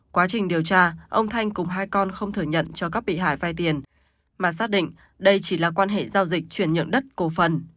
quá trình điều tra ông thanh cùng hai con không thừa nhận cho các bị hại vai tiền mà xác định đây chỉ là quan hệ giao dịch chuyển nhượng đất cổ phần